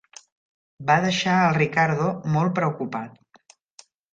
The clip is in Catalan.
Va deixar el Ricardo molt preocupat.